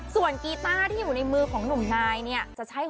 ส่วนกีต้าที่อยู่ในมือของหนุ่มนายเนี่ยจะใช่เหรอ